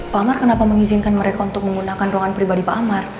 pak amar kenapa mengizinkan mereka untuk menggunakan ruangan pribadi pak amar